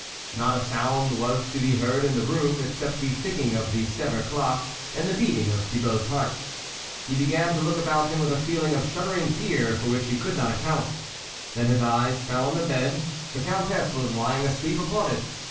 Not a sound was to be heard in the room, except the ticking of the Sevres clock, and the beating of Thibault's heart. He began to look about him with a feeling of shuddering fear for which he could not account ; then his eyes fell on the bed ; the Countess was lying asleep upon it.